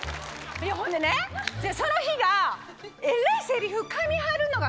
ほんでねその日がえらい。